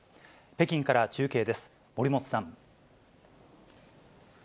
北京から中継です、森本さん。